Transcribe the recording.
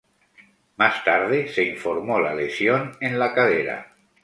Más tarde se informó la lesión en la cadera.